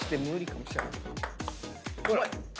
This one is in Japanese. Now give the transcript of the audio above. うまい。